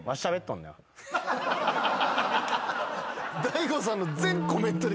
大悟さんの。